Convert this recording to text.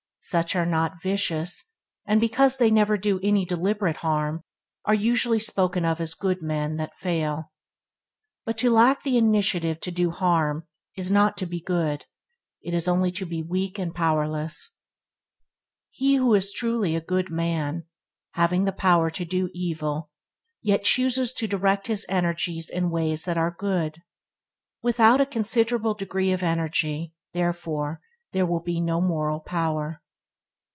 Such are not vicious, and because they never do any deliberate harm, are usually spoken of as good men that fail. But to lack the initiative to do harm is not to be good; it is only to be weak and powerless. He is the truly good man who, having the power to do evil, yet chooses to direct his energies in ways that are good. Without a considerable degree of energy, therefore, there will be no moral power.